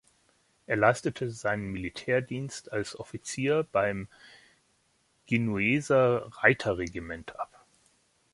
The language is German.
Er leistete seinen Militärdienst als Offizier beim Genueser Reiterregiment ab.